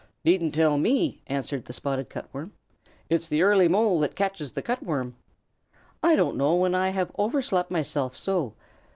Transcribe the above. "Needn't tell me," answered the Spotted Cut Worm. "It's the early Mole that catches the Cut Worm. I don't know when I have overslept myself so.